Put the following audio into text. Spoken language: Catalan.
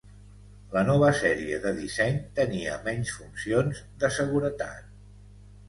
La nova sèrie de disseny tenia menys funcions de seguretat.